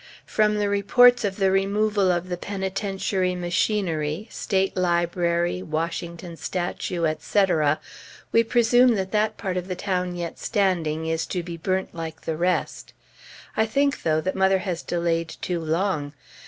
From the reports of the removal of the Penitentiary machinery, State Library, Washington Statue, etc., we presume that that part of the town yet standing is to be burnt like the rest. I think, though, that mother has delayed too long.